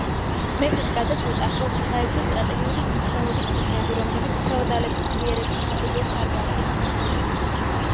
მეფემ გადაწყვიტა, ხელში ჩაეგდო სტრატეგიული მნიშვნელობის ციხეები, რომლებიც ფეოდალების ძლიერების საფუძველს წარმოადგენდნენ.